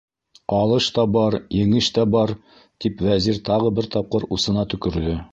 - Алыш та бар, еңеш тә бар! - тип, Вәзир тағы бер тапҡыр усына төкөрҙө.